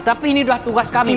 tapi ini udah tugas kami pak